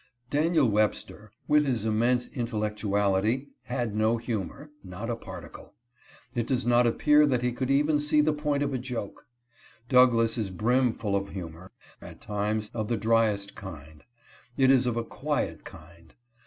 Daniel Webster, with his immense intellectuality, had no humor, not a particle. It does not appear that he could even see the point of a joke. Douglass is brim full of humor, at times, of the dryest kind. It is of a quiet kind.